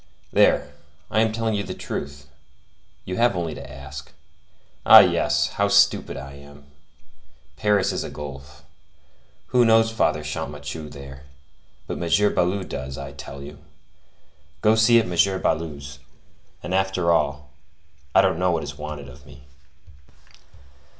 There, I am telling the truth; you have only to ask. Ah, yes! how stupid I am! Paris is a gulf. Who knows Father Champmathieu there? But M. Baloup does, I tell you. Go see at M. Baloup's; and after all, I don't know what is wanted of me."